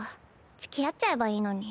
つきあっちゃえばいいのに。